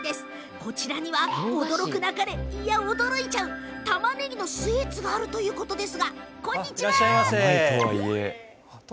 こちらには驚くなかれ驚いちゃうたまねぎのスイーツがあるんです。